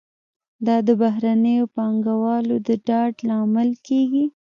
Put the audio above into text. دا د بهرنیو پانګوالو د ډاډ لامل کیږي.